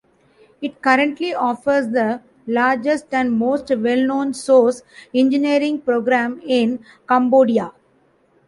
It currently offers the largest and most well known source engineering program in Cambodia.